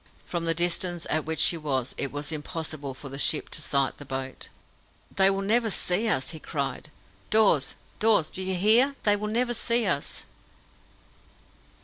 From the distance at which she was, it was impossible for the ship to sight the boat. "They will never see us!" he cried. "Dawes Dawes! Do you hear? They will never see us!"